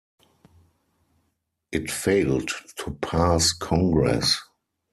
It failed to pass Congress.